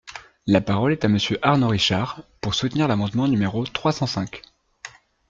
La parole est à Monsieur Arnaud Richard, pour soutenir l’amendement numéro trois cent cinq.